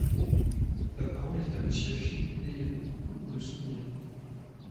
La parole est à Monsieur Philippe Naillet, pour le soutenir.